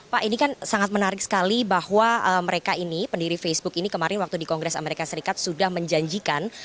pak ini kan sangat menarik sekali bahwa mereka ini pendiri facebook ini kemarin waktu di kongres amerika serikat sudah menjanjikan